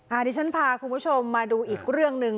อันนี้ฉันพาคุณผู้ชมมาดูอีกเรื่องหนึ่ง